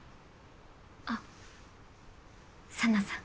あっ紗菜さん。